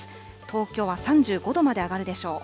東京は３５度まで上がるでしょう。